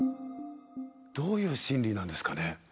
どういう心理なんですかね。